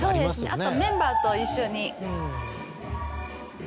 あとメンバーと一緒に。